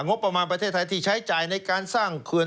งบประมาณประเทศไทยที่ใช้จ่ายในการสร้างเขื่อน